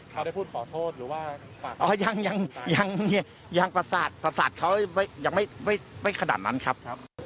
เขาได้พูดขอโทษหรือว่ายังประสาทประสาทเขายังไม่ขนาดนั้นครับ